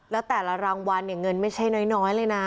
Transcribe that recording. แล้วแต่ละรางวัลเนี่ยเงินไม่ใช่น้อยเลยนะ